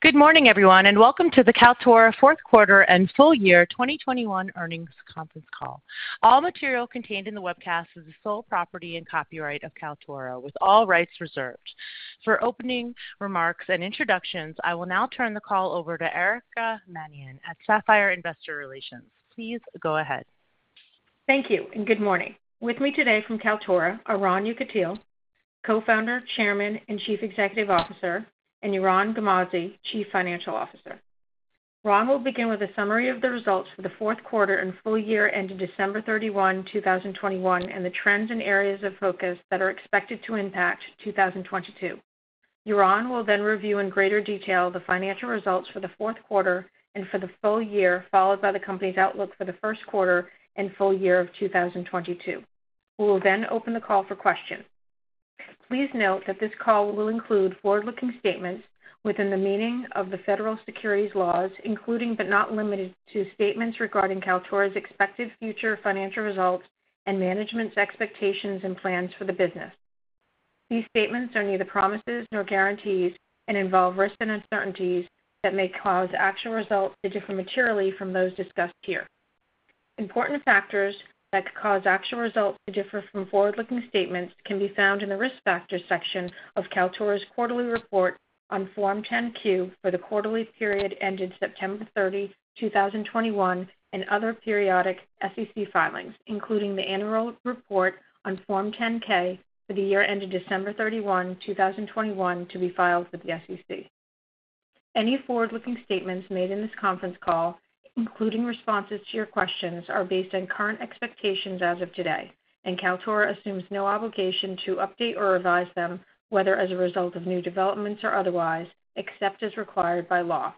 Good morning, everyone, and welcome to the Kaltura fourth quarter and full year 2021 earnings conference call. All material contained in the webcast is the sole property and copyright of Kaltura with all rights reserved. For opening remarks and introductions, I will now turn the call over to Erica Mannion at Sapphire Investor Relations. Please go ahead. Thank you and good morning. With me today from Kaltura are Ron Yekutiel, Co-founder, Chairman, and Chief Executive Officer, and Yaron Zamir, Chief Financial Officer. Ron will begin with a summary of the results for the fourth quarter and full year ending December 31, 2021, and the trends and areas of focus that are expected to impact 2022. Yaron will then review in greater detail the financial results for the fourth quarter and for the full year, followed by the company's outlook for the first quarter and full year of 2022. We will then open the call for questions. Please note that this call will include forward-looking statements within the meaning of the Federal Securities laws, including, but not limited to statements regarding Kaltura's expected future financial results and management's expectations and plans for the business. These statements are neither promises nor guarantees and involve risks and uncertainties that may cause actual results to differ materially from those discussed here. Important factors that could cause actual results to differ from forward-looking statements can be found in the Risk Factors section of Kaltura's quarterly report on Form 10-Q for the quarterly period ended September 30, 2021, and other periodic SEC filings, including the annual report on Form 10-K for the year ended December 31, 2021, to be filed with the SEC. Any forward-looking statements made in this conference call, including responses to your questions, are based on current expectations as of today, and Kaltura assumes no obligation to update or revise them, whether as a result of new developments or otherwise, except as required by law.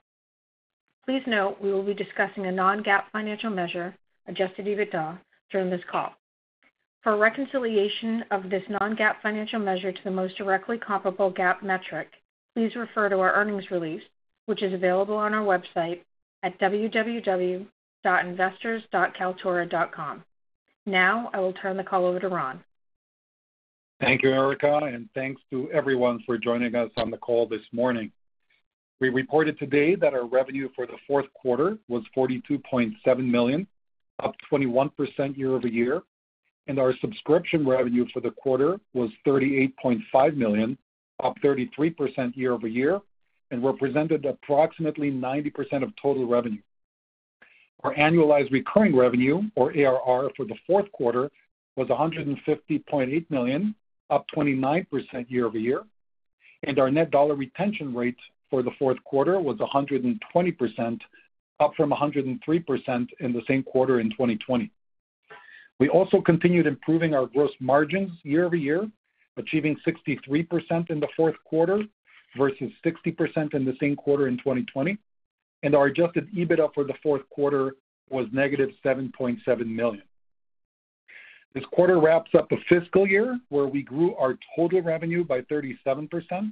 Please note, we will be discussing a non-GAAP financial measure, adjusted EBITDA during this call. For a reconciliation of this non-GAAP financial measure to the most directly comparable GAAP metric, please refer to our earnings release, which is available on our website at www.investors.kaltura.com. Now, I will turn the call over to Ron. Thank you, Erica, and thanks to everyone for joining us on the call this morning. We reported today that our revenue for the fourth quarter was $42.7 million, up 21% year-over-year, and our subscription revenue for the quarter was $38.5 million, up 33% year-over-year, and represented approximately 90% of total revenue. Our annualized recurring revenue or ARR for the fourth quarter was $150.8 million, up 29% year-over-year, and our net dollar retention rate for the fourth quarter was 120%, up from 103% in the same quarter in 2020. We also continued improving our gross margins year-over-year, achieving 63% in the fourth quarter versus 60% in the same quarter in 2020, and our adjusted EBITDA for the fourth quarter was -$7.7 million. This quarter wraps up a fiscal year where we grew our total revenue by 37%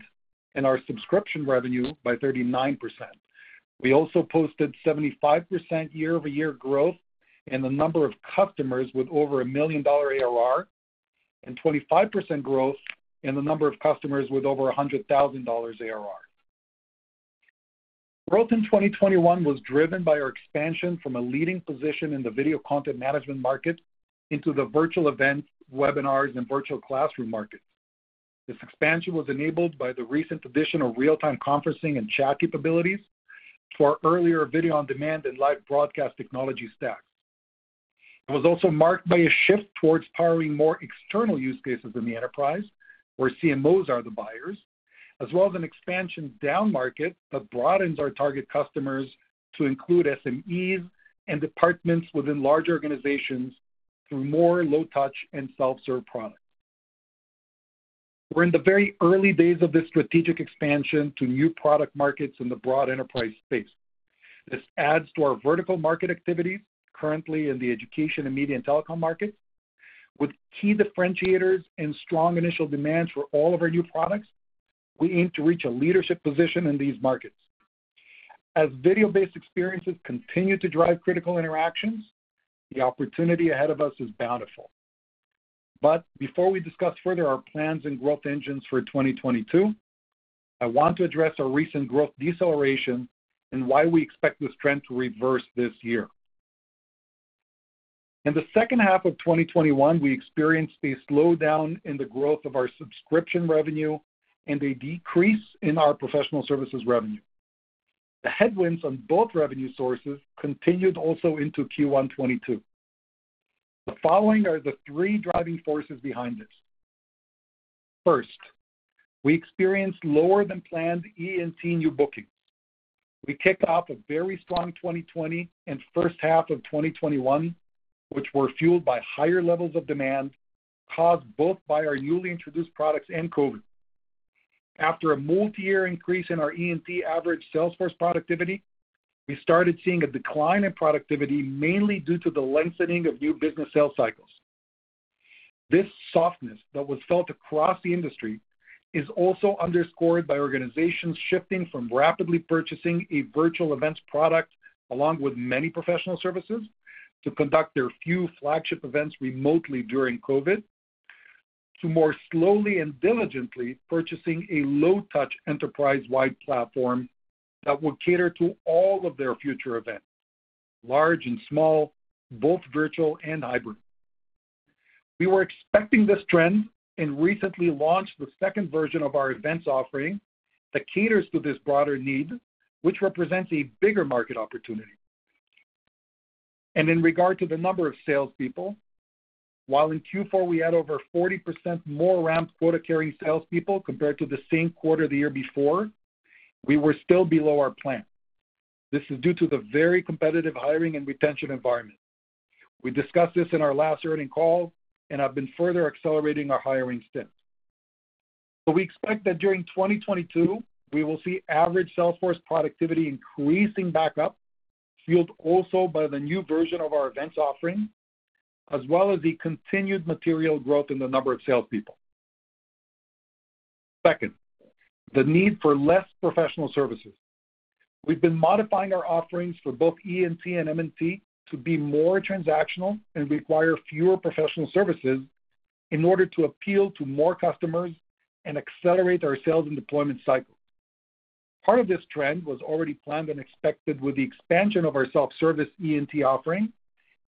and our subscription revenue by 39%. We also posted 75% year-over-year growth in the number of customers with over $1 million ARR and 25% growth in the number of customers with over $100,000 ARR. Growth in 2021 was driven by our expansion from a leading position in the video content management market into the virtual events, webinars, and virtual classroom markets. This expansion was enabled by the recent addition of real-time conferencing and chat capabilities to our earlier video on-demand and live broadcast technology stacks. It was also marked by a shift towards powering more external use cases in the enterprise, where CMOs are the buyers, as well as an expansion downmarket that broadens our target customers to include SMEs and departments within larger organizations through more low touch and self-serve products. We're in the very early days of this strategic expansion to new product markets in the broad enterprise space. This adds to our vertical market activities currently in the education and media and telecom markets. With key differentiators and strong initial demands for all of our new products, we aim to reach a leadership position in these markets. As video-based experiences continue to drive critical interactions, the opportunity ahead of us is bountiful. Before we discuss further our plans and growth engines for 2022, I want to address our recent growth deceleration and why we expect this trend to reverse this year. In the second half of 2021, we experienced a slowdown in the growth of our subscription revenue and a decrease in our professional services revenue. The headwinds on both revenue sources continued also into Q1 2022. The following are the three driving forces behind this. First, we experienced lower than planned EE&T new bookings. We kicked off a very strong 2020 and first half of 2021, which were fueled by higher levels of demand caused both by our newly introduced products and COVID. After a multi-year increase in our EE&T average sales force productivity, we started seeing a decline in productivity, mainly due to the lengthening of new business sales cycles. This softness that was felt across the industry is also underscored by organizations shifting from rapidly purchasing a virtual events product along with many professional services to conduct their few flagship events remotely during COVID to more slowly and diligently purchasing a low-touch enterprise-wide platform that will cater to all of their future events, large and small, both virtual and hybrid. We were expecting this trend and recently launched the second version of our events offering that caters to this broader need, which represents a bigger market opportunity. In regard to the number of salespeople, while in Q4 we had over 40% more ramp quota-carrying salespeople compared to the same quarter the year before, we were still below our plan. This is due to the very competitive hiring and retention environment. We discussed this in our last earnings call, and have been further accelerating our hiring since. We expect that during 2022, we will see average sales force productivity increasing back up, fueled also by the new version of our events offering, as well as the continued material growth in the number of salespeople. Second, the need for less professional services. We've been modifying our offerings for both EE&T and M&T to be more transactional and require fewer professional services in order to appeal to more customers and accelerate our sales and deployment cycles. Part of this trend was already planned and expected with the expansion of our self-service EE&T offering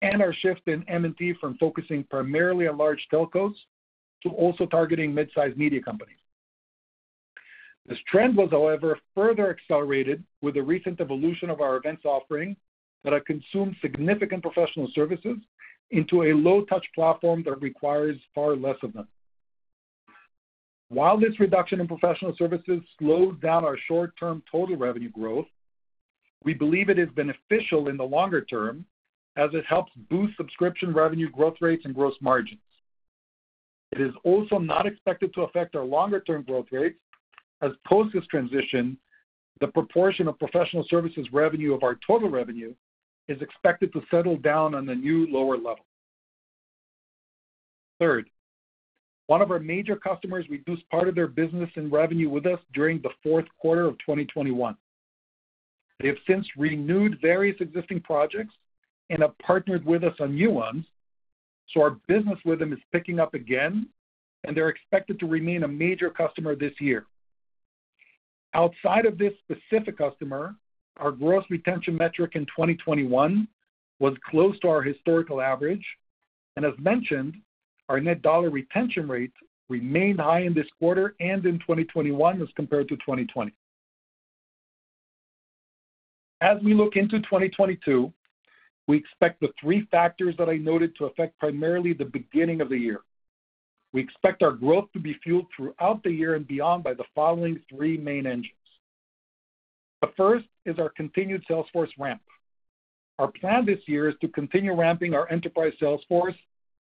and our shift in M&T from focusing primarily on large telcos to also targeting mid-sized media companies. This trend was, however, further accelerated with the recent evolution of our events offering that have consumed significant professional services into a low-touch platform that requires far less of them. While this reduction in professional services slowed down our short-term total revenue growth, we believe it is beneficial in the longer term as it helps boost subscription revenue growth rates and gross margins. It is also not expected to affect our longer term growth rates as post this transition, the proportion of professional services revenue of our total revenue is expected to settle down on the new lower level. Third, one of our major customers reduced part of their business and revenue with us during the fourth quarter of 2021. They have since renewed various existing projects and have partnered with us on new ones, so our business with them is picking up again, and they're expected to remain a major customer this year. Outside of this specific customer, our gross retention metric in 2021 was close to our historical average, and as mentioned, our net dollar retention rates remained high in this quarter and in 2021 as compared to 2020. As we look into 2022, we expect the three factors that I noted to affect primarily the beginning of the year. We expect our growth to be fueled throughout the year and beyond by the following three main engines. The first is our continued sales force ramp. Our plan this year is to continue ramping our enterprise sales force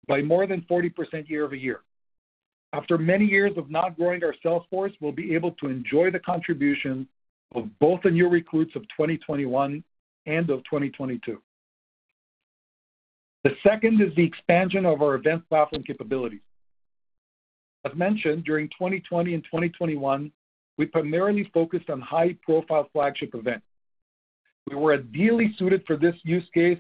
by more than 40% year-over-year. After many years of not growing our sales force, we'll be able to enjoy the contribution of both the new recruits of 2021 and of 2022. The second is the expansion of our event platform capabilities. As mentioned, during 2020 and 2021, we primarily focused on high-profile flagship events. We were ideally suited for this use case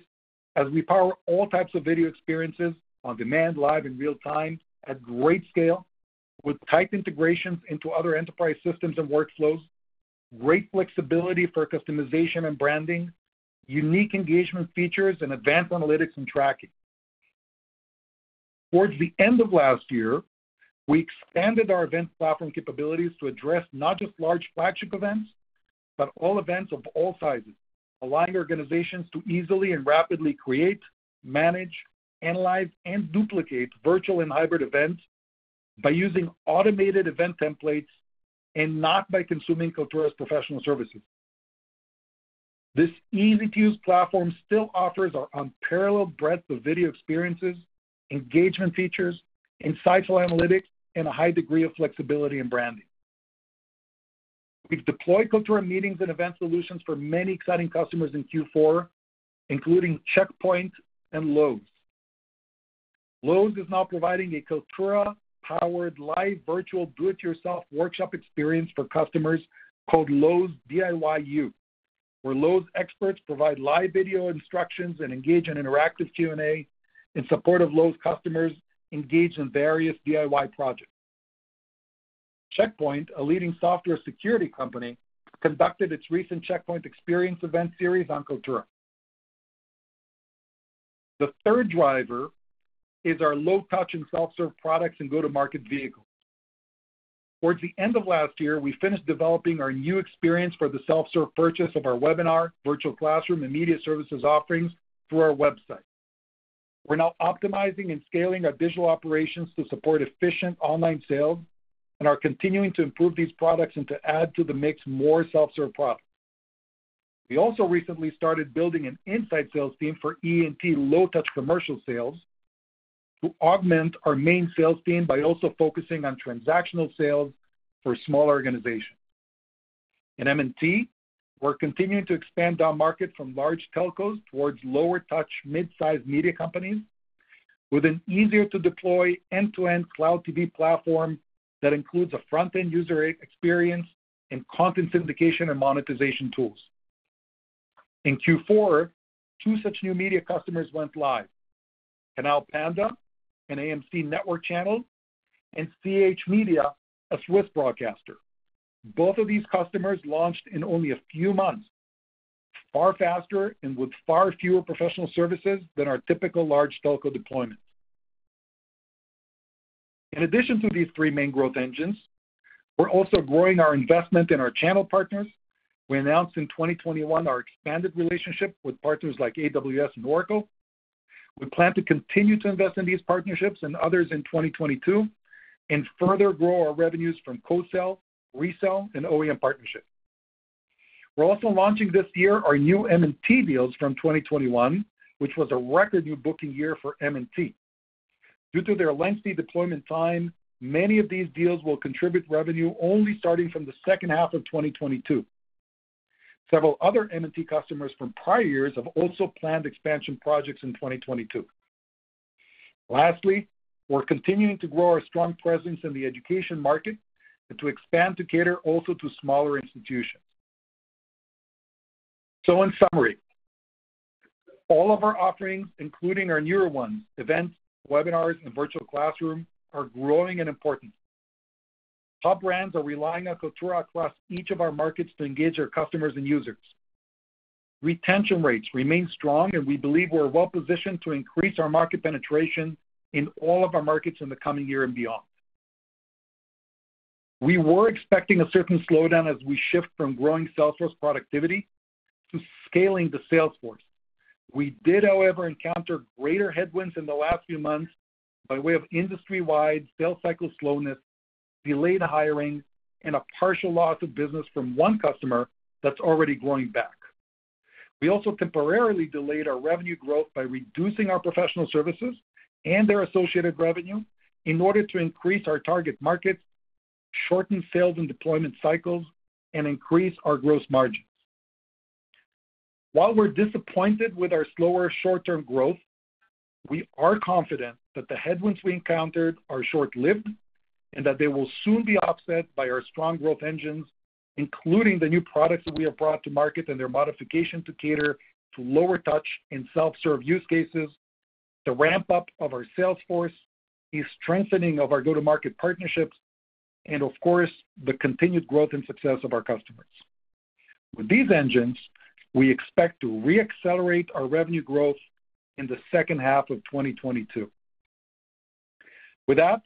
as we power all types of video experiences on-demand, live, and real-time at great scale with tight integrations into other enterprise systems and workflows, great flexibility for customization and branding, unique engagement features, and advanced analytics and tracking. Towards the end of last year, we expanded our event platform capabilities to address not just large flagship events, but all events of all sizes, allowing organizations to easily and rapidly create, manage, analyze, and duplicate virtual and hybrid events by using automated event templates and not by consuming Kaltura's professional services. This easy-to-use platform still offers our unparalleled breadth of video experiences, engagement features, insightful analytics, and a high degree of flexibility and branding. We've deployed Kaltura meetings and event solutions for many exciting customers in Q4, including Check Point and Lowe's. Lowe's is now providing a Kaltura-powered live virtual do-it-yourself workshop experience for customers called Lowe's DIY-U, where Lowe's experts provide live video instructions and engage in interactive Q&A in support of Lowe's customers engaged in various DIY projects. Check Point, a leading software security company, conducted its recent Check Point experience event series on Kaltura. The third driver is our low-touch and self-serve products and go-to-market vehicles. Towards the end of last year, we finished developing our new experience for the self-serve purchase of our webinar, virtual classroom, and media services offerings through our website. We're now optimizing and scaling our digital operations to support efficient online sales and are continuing to improve these products and to add to the mix more self-serve products. We also recently started building an inside sales team for EE&T low-touch commercial sales to augment our main sales team by also focusing on transactional sales for small organizations. In M&T, we're continuing to expand our market from large telcos towards lower-touch mid-sized media companies with an easier-to-deploy end-to-end Cloud TV platform that includes a front-end user experience and content syndication and monetization tools. In Q4, two such new media customers went live. Canal Panda, an AMC Networks channel, and CH Media, a Swiss broadcaster. Both of these customers launched in only a few months, far faster and with far fewer professional services than our typical large telco deployment. In addition to these three main growth engines, we're also growing our investment in our channel partners. We announced in 2021 our expanded relationship with partners like AWS and Oracle. We plan to continue to invest in these partnerships and others in 2022 and further grow our revenues from co-sell, resell, and OEM partnerships. We're also launching this year our new M&T deals from 2021, which was a record new booking year for M&T. Due to their lengthy deployment time, many of these deals will contribute revenue only starting from the second half of 2022. Several other M&T customers from prior years have also planned expansion projects in 2022. Lastly, we're continuing to grow our strong presence in the education market and to expand to cater also to smaller institutions. In summary, all of our offerings, including our newer ones, events, webinars, and virtual classroom, are growing and important. Top brands are relying on Kaltura across each of our markets to engage their customers and users. Retention rates remain strong, and we believe we're well-positioned to increase our market penetration in all of our markets in the coming year and beyond. We were expecting a certain slowdown as we shift from growing sales force productivity to scaling the sales force. We did, however, encounter greater headwinds in the last few months by way of industry-wide sales cycle slowness, delayed hiring, and a partial loss of business from one customer that's already growing back. We also temporarily delayed our revenue growth by reducing our professional services and their associated revenue in order to increase our target markets, shorten sales and deployment cycles, and increase our gross margins. While we're disappointed with our slower short-term growth, we are confident that the headwinds we encountered are short-lived and that they will soon be offset by our strong growth engines, including the new products that we have brought to market and their modification to cater to lower touch and self-serve use cases, the ramp-up of our sales force, the strengthening of our go-to-market partnerships, and of course, the continued growth and success of our customers. With these engines, we expect to re-accelerate our revenue growth in the second half of 2022. With that,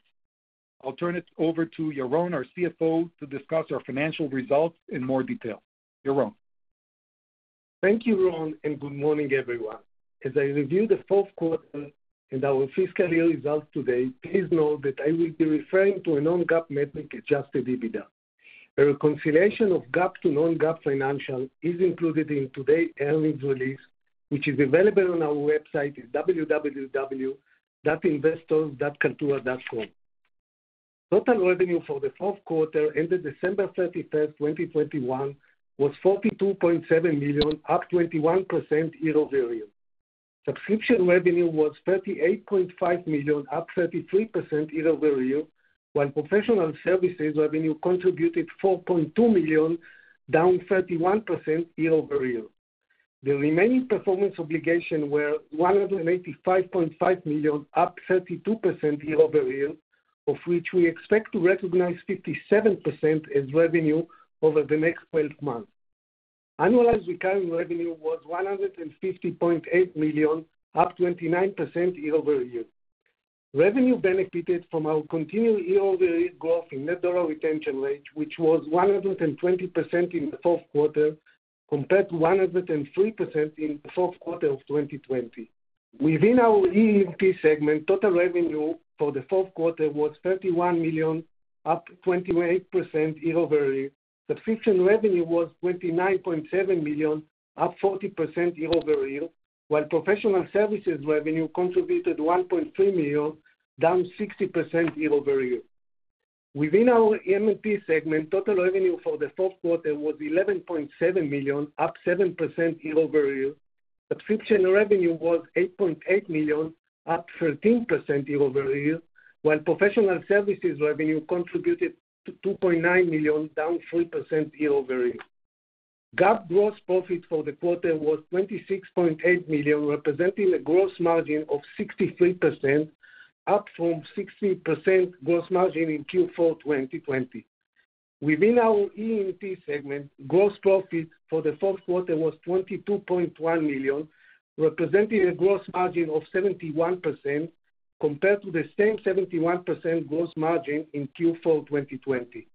I'll turn it over to Yaron, our CFO, to discuss our financial results in more detail. Yaron. Thank you, Ron, and good morning, everyone. As I review the fourth quarter and our fiscal year results today, please note that I will be referring to a non-GAAP metric, adjusted EBITDA. A reconciliation of GAAP to non-GAAP financials is included in today's earnings release, which is available on our website at investors.kaltura.com. Total revenue for the fourth quarter ended December 31st, 2021 was $42.7 million, up 21% year-over-year. Subscription revenue was $38.5 million, up 33% year-over-year, while professional services revenue contributed $4.2 million, down 31% year-over-year. The remaining performance obligations were $185.5 million, up 32% year-over-year, of which we expect to recognize 57% as revenue over the next 12 months. Annualized recurring revenue was $150.8 million, up 29% year-over-year. Revenue benefited from our continued year-over-year growth in net dollar retention rate, which was 120% in the fourth quarter compared to 103% in the fourth quarter of 2020. Within our EE&T segment, total revenue for the fourth quarter was $31 million, up 28% year-over-year. Subscription revenue was $29.7 million, up 40% year-over-year, while professional services revenue contributed $1.3 million, down 60% year-over-year. Within our M&T segment, total revenue for the fourth quarter was $11.7 million, up 7% year-over-year. Subscription revenue was $8.8 million, up 13% year-over-year, while professional services revenue contributed to $2.9 million, down 3% year-over-year. GAAP gross profit for the quarter was $26.8 million, representing a gross margin of 63%, up from 60% gross margin in Q4 2020. Within our EE&T segment, gross profit for the fourth quarter was $22.1 million, representing a gross margin of 71% compared to the same 71% gross margin in Q4 2020.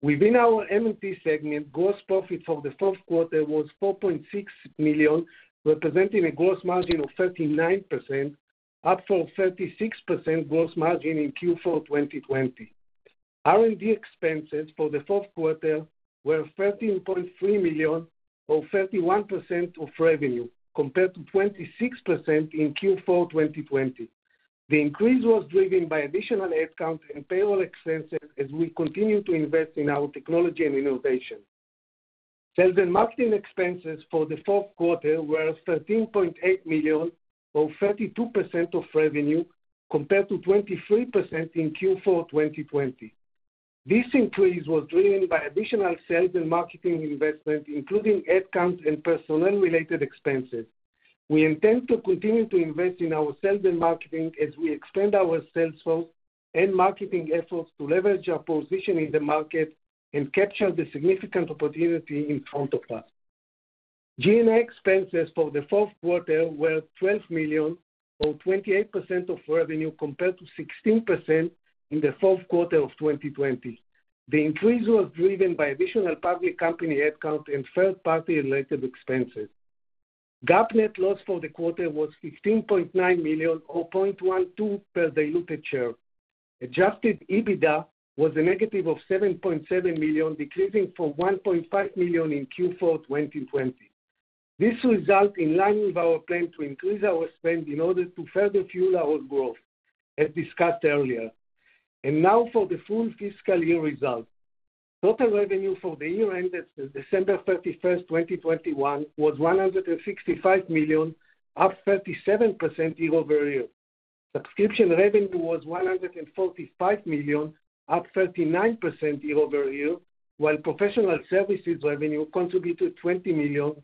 Within our M&T segment, gross profit for the fourth quarter was $4.6 million, representing a gross margin of 39%, up from 36% gross margin in Q4 2020. R&D expenses for the fourth quarter were $13.3 million, or 31% of revenue, compared to 26% in Q4 2020. The increase was driven by additional headcounts and payroll expenses as we continue to invest in our technology and innovation. Sales and marketing expenses for the fourth quarter were $13.8 million, or 32% of revenue, compared to 23% in Q4 2020. This increase was driven by additional sales and marketing investment, including headcount and personnel-related expenses. We intend to continue to invest in our sales and marketing as we expand our sales force and marketing efforts to leverage our position in the market and capture the significant opportunity in front of us. G&A expenses for the fourth quarter were $12 million, or 28% of revenue, compared to 16% in the fourth quarter of 2020. The increase was driven by additional public company ad count and third-party related expenses. GAAP net loss for the quarter was $15.9 million, or $0.12 per diluted share. Adjusted EBITDA was -$7.7 million, decreasing from $1.5 million in Q4 2020. This result in line with our plan to increase our spend in order to further fuel our growth, as discussed earlier. Now for the full fiscal year results. Total revenue for the year ended December 31st, 2021 was $165 million, up 37% year-over-year. Subscription revenue was $145 million, up 39% year-over-year, while professional services revenue contributed $20 million,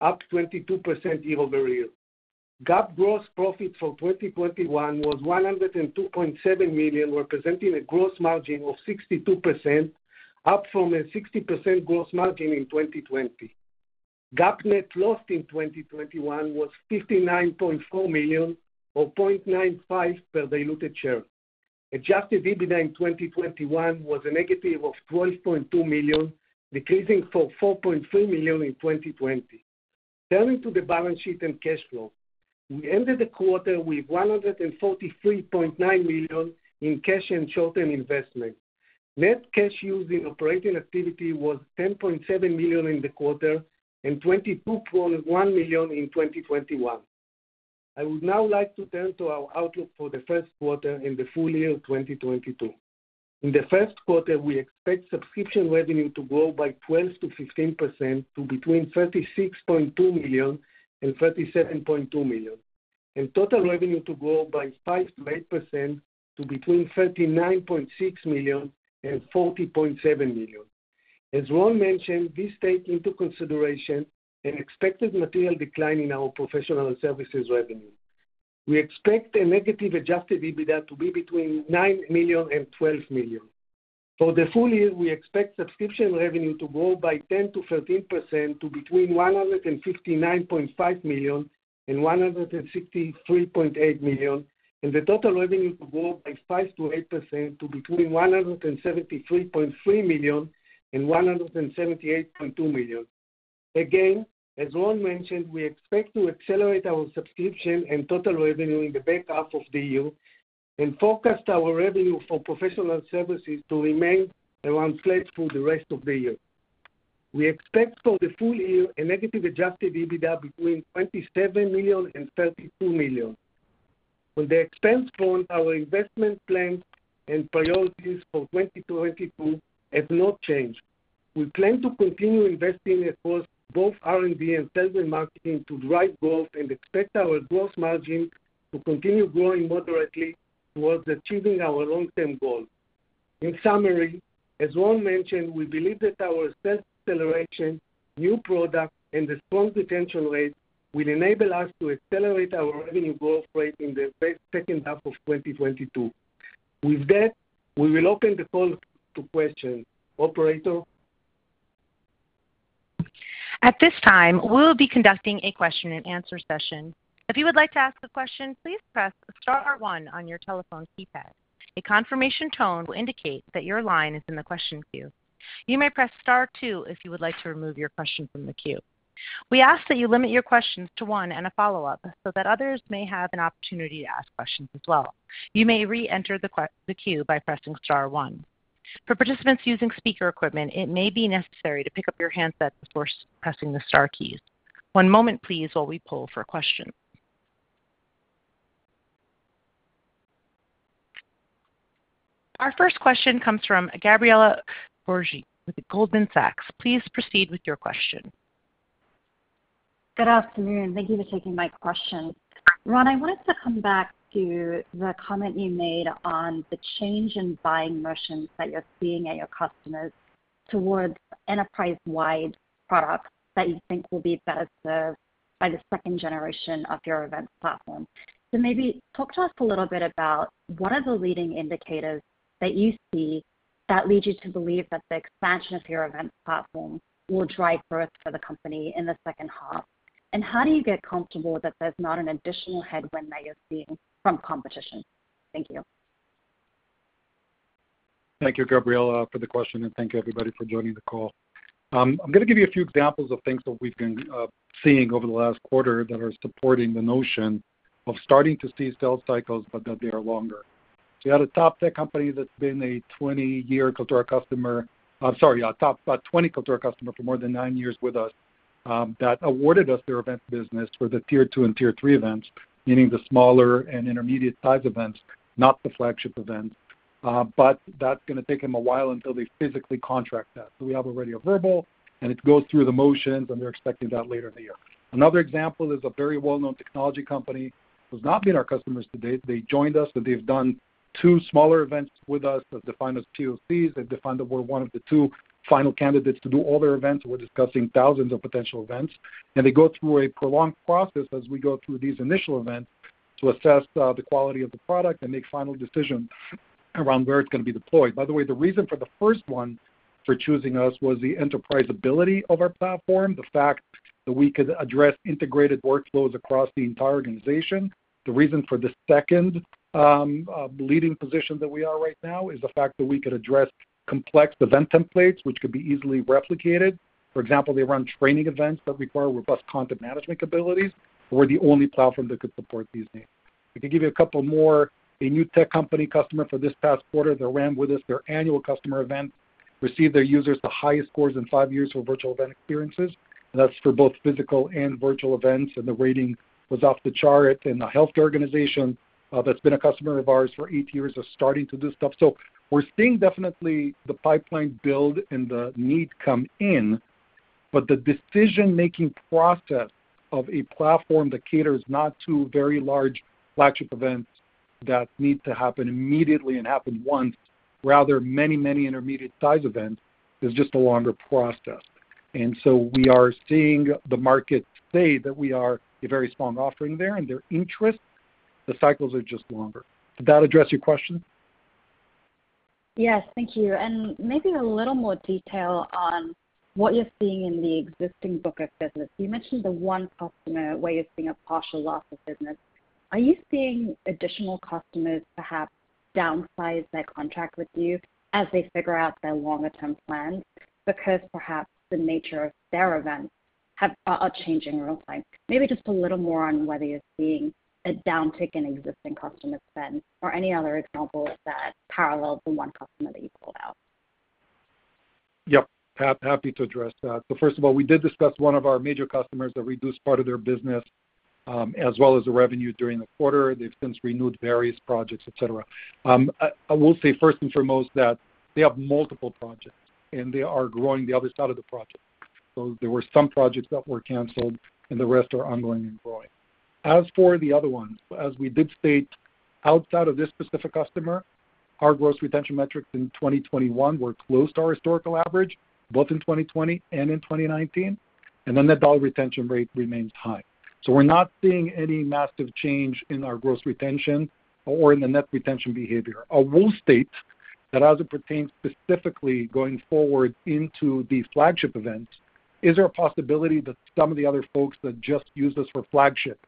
up 22% year-over-year. GAAP gross profit for 2021 was $102.7 million, representing a gross margin of 62%, up from a 60% gross margin in 2020. GAAP net loss in 2021 was $59.4 million, or $0.95 per diluted share. Adjusted EBITDA in 2021 was -$12.2 million, decreasing from $4.3 million in 2020. Turning to the balance sheet and cash flow. We ended the quarter with $143.9 million in cash and short-term investments. Net cash used in operating activities was $10.7 million in the quarter and $22.1 million in 2021. I would now like to turn to our outlook for the first quarter and the full year of 2022. In the first quarter, we expect subscription revenue to grow by 12%-15% to between $36.2 million and $37.2 million, and total revenue to grow by 5%-8% to between $39.6 million and $40.7 million. As Ron mentioned, this takes into consideration an expected material decline in our professional services revenue. We expect a negative adjusted EBITDA to be between $9 million and $12 million. For the full year, we expect subscription revenue to grow by 10%-13% to between $159.5 million and $163.8 million, and the total revenue to grow by 5%-8% to between $173.3 million and $178.2 million. Again, as Ron mentioned, we expect to accelerate our subscription and total revenue in the back half of the year and forecast our revenue for professional services to remain around flat for the rest of the year. We expect for the full year a negative adjusted EBITDA between $27 million and $32 million. On the expense front, our investment plans and priorities for 2022 have not changed. We plan to continue investing across both R&D and sales and marketing to drive growth and expect our gross margin to continue growing moderately towards achieving our long-term goals. In summary, as Ron mentioned, we believe that our sales acceleration, new products, and the strong retention rates will enable us to accelerate our revenue growth rate in the second half of 2022. With that, we will open the call to questions. Operator? At this time, we will be conducting a question and answer session. If you would like to ask a question, please press star one on your telephone keypad. A confirmation tone will indicate that your line is in the question queue. You may press star two if you would like to remove your question from the queue. We ask that you limit your questions to one and a follow-up so that others may have an opportunity to ask questions as well. You may re-enter the queue by pressing star one. For participants using speaker equipment, it may be necessary to pick up your handset before pressing the star keys. One moment please while we poll for questions. Our first question comes from Gabriela Borges with Goldman Sachs. Please proceed with your question. Good afternoon. Thank you for taking my question. Ron, I wanted to come back to the comment you made on the change in buying motions that you're seeing at your customers towards enterprise-wide products that you think will be best served by the second generation of your events platform. Maybe talk to us a little bit about what are the leading indicators that you see that lead you to believe that the expansion of your events platform will drive growth for the company in the second half, and how do you get comfortable that there's not an additional headwind that you're seeing from competition? Thank you. Thank you, Gabriela, for the question, and thank you, everybody, for joining the call. I'm gonna give you a few examples of things that we've been seeing over the last quarter that are supporting the notion of starting to see sales cycles, but that they are longer. We had a top tech company, a top 20 Kaltura customer for more than nine years with us, that awarded us their event business for the Tier 2 and Tier 3 events, meaning the smaller and intermediate-sized events, not the flagship events. That's gonna take them a while until they physically contract that. We have already a verbal, and it goes through the motions, and we're expecting that later in the year. Another example is a very well-known technology company who's not been our customers to date. They joined us, but they've done two smaller events with us that defined that we're one of the two final candidates to do all their events. We're discussing thousands of potential events. They go through a prolonged process as we go through these initial events to assess the quality of the product and make final decisions around where it's gonna be deployed. By the way, the reason for the first one for choosing us was the enterprise ability of our platform, the fact that we could address integrated workflows across the entire organization. The reason for the second leading position that we are right now is the fact that we could address complex event templates which could be easily replicated. For example, they run training events that require robust content management capabilities. We're the only platform that could support these needs. I can give you a couple more. A new tech company customer for this past quarter, they ran with us their annual customer event, received their users the highest scores in five years for virtual event experiences, and that's for both physical and virtual events, and the rating was off the chart. A health organization that's been a customer of ours for eight years is starting to do stuff. We're seeing definitely the pipeline build and the need come in, but the decision-making process of a platform that caters not to very large flagship events that need to happen immediately and happen once, rather many, many intermediate size events, is just a longer process. We are seeing the market say that we are a very strong offering there and their interest, the cycles are just longer. Did that address your question? Yes. Thank you. Maybe a little more detail on what you're seeing in the existing book of business. You mentioned the one customer where you're seeing a partial loss of business. Are you seeing additional customers perhaps downsize their contract with you as they figure out their longer-term plans because perhaps the nature of their events are changing real time? Maybe just a little more on whether you're seeing a downtick in existing customer spend or any other examples that parallel the one customer that you called out. Yep. Happy to address that. First of all, we did discuss one of our major customers that reduced part of their business, as well as the revenue during the quarter. They've since renewed various projects, et cetera. I will say first and foremost that they have multiple projects, and they are growing the other side of the project. There were some projects that were canceled, and the rest are ongoing and growing. As for the other ones, as we did state, outside of this specific customer, our gross retention metrics in 2021 were close to our historical average, both in 2020 and in 2019, and the net dollar retention rate remains high. We're not seeing any massive change in our gross retention or in the net retention behavior. I will state that as it pertains specifically going forward into these flagship events, is there a possibility that some of the other folks that just used us for flagship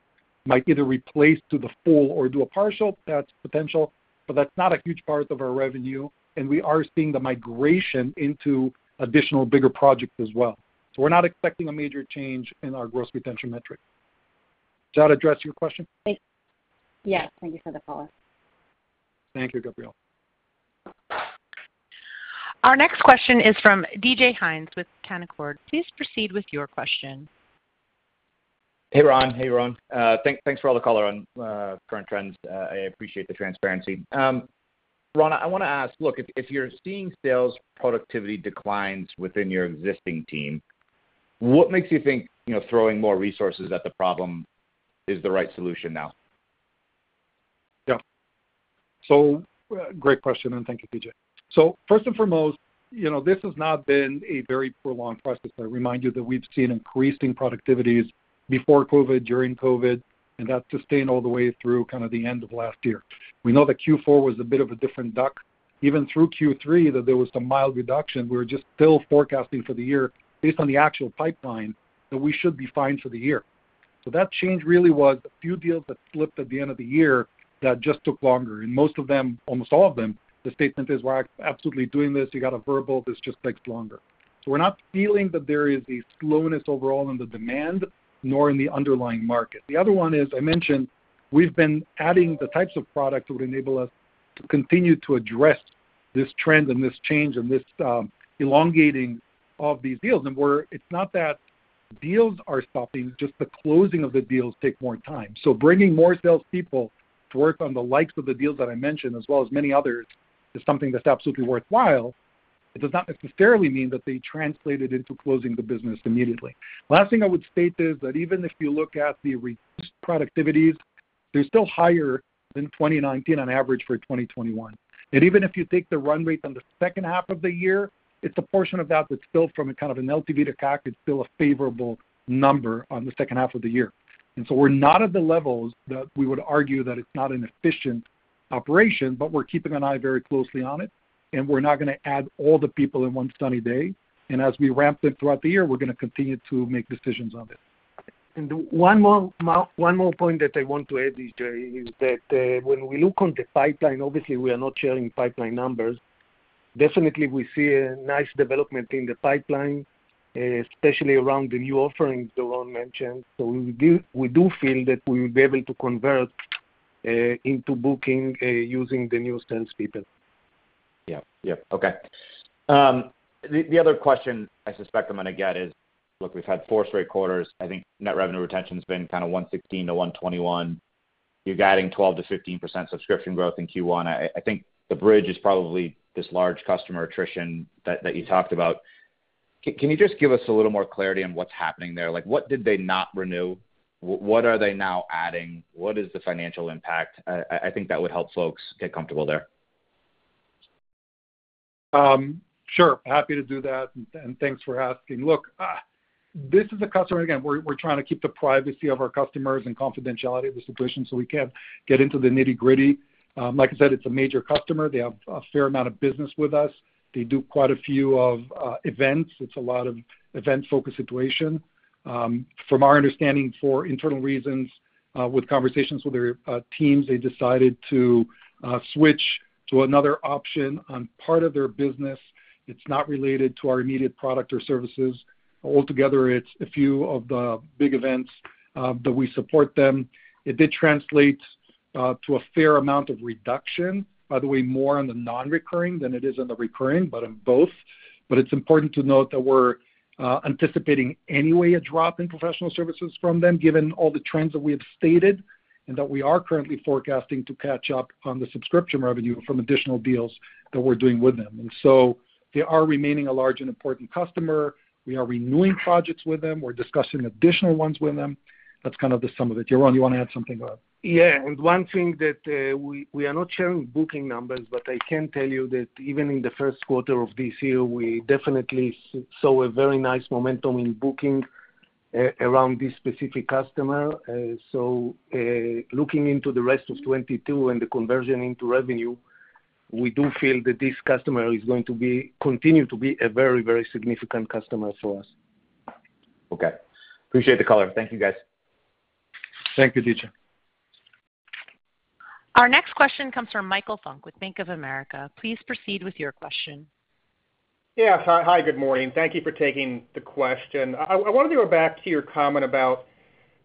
might either replace to the full or do a partial? That's potential, but that's not a huge part of our revenue, and we are seeing the migration into additional bigger projects as well. We're not expecting a major change in our gross retention metric. Does that address your question? Yes. Thank you for the follow-up. Thank you, Gabriela. Our next question is from DJ Hynes with Canaccord. Please proceed with your question. Hey, Ron. Thanks for all the color on current trends. I appreciate the transparency. Ron, I wanna ask if you're seeing sales productivity declines within your existing team, what makes you think, you know, throwing more resources at the problem is the right solution now? Yeah. Great question, and thank you, DJ. First and foremost, you know, this has not been a very prolonged process. I remind you that we've seen increasing productivities before COVID, during COVID, and that sustained all the way through kinda the end of last year. We know that Q4 was a bit of a different duck. Even through Q3, that there was some mild reduction. We're just still forecasting for the year based on the actual pipeline that we should be fine for the year. That change really was a few deals that slipped at the end of the year that just took longer, and most of them, almost all of them, the statement is, We're absolutely doing this. You got a verbal. This just takes longer. We're not feeling that there is a slowness overall in the demand nor in the underlying market. The other one is, I mentioned we've been adding the types of products that would enable us to continue to address this trend and this change and this, elongating of these deals. It's not that deals are stopping, just the closing of the deals take more time. Bringing more salespeople to work on the likes of the deals that I mentioned, as well as many others, is something that's absolutely worthwhile. It does not necessarily mean that they translated into closing the business immediately. Last thing I would state is that even if you look at the reduced productivities, they're still higher than 2019 on average for 2021. Even if you take the run rate on the second half of the year, it's a portion of that that's still from a kind of an LTV to CAC. It's still a favorable number on the second half of the year. We're not at the levels that we would argue that it's not an efficient operation, but we're keeping an eye very closely on it, and we're not gonna add all the people in one sunny day. As we ramp them throughout the year, we're gonna continue to make decisions on it. One more point that I want to add DJ, is that when we look on the pipeline, obviously we are not sharing pipeline numbers. Definitely we see a nice development in the pipeline, especially around the new offerings that Ron mentioned. We do feel that we will be able to convert into booking using the new sales people. Yeah. Yeah. Okay. The other question I suspect I'm gonna get is, look, we've had four straight quarters. I think net revenue retention's been kinda 116-121. You're guiding 12%-15% subscription growth in Q1. I think the bridge is probably this large customer attrition that you talked about. Can you just give us a little more clarity on what's happening there? Like, what did they not renew? What are they now adding? What is the financial impact? I think that would help folks get comfortable there. Sure. Happy to do that, and thanks for asking. Look, this is a customer. Again, we're trying to keep the privacy of our customers and confidentiality of the situation, so we can't get into the nitty-gritty. Like I said, it's a major customer. They have a fair amount of business with us. They do quite a few events. It's a lot of event-focused situation. From our understanding, for internal reasons, with conversations with their teams, they decided to switch to another option on part of their business. It's not related to our immediate product or services. Altogether, it's a few of the big events that we support them. It did translate to a fair amount of reduction, by the way, more on the non-recurring than it is on the recurring, but on both. It's important to note that we're anticipating anyway a drop in professional services from them, given all the trends that we have stated and that we are currently forecasting to catch up on the subscription revenue from additional deals that we're doing with them. They are remaining a large and important customer. We are renewing projects with them. We're discussing additional ones with them. That's kind of the sum of it. Yaron, you want to add something about it? Yeah. One thing that we are not sharing booking numbers, but I can tell you that even in the first quarter of this year, we definitely saw a very nice momentum in booking around this specific customer. Looking into the rest of 2022 and the conversion into revenue, we do feel that this customer is going to continue to be a very, very significant customer for us. Okay. Appreciate the color. Thank you, guys. Thank you, DJ Hynes. Our next question comes from Michael Funk with Bank of America. Please proceed with your question. Yeah. Hi, good morning. Thank you for taking the question. I wanted to go back to your comment about